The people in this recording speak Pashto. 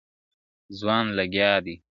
ځوان لگيا دی